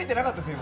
今。